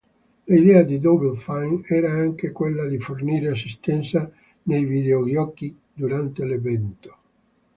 L'idea di Double Fine era anche quella di fornire assistenza nei videogiochi durante l'evento.